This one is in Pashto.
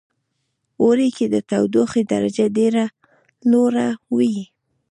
اوړی کې د تودوخې درجه ډیره لوړه وی